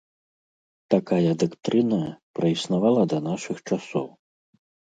Такая дактрына праіснавала да нашых часоў.